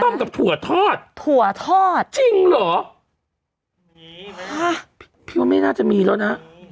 กับถั่วทอดถั่วทอดจริงเหรอฮะพี่ว่าไม่น่าจะมีแล้วนะ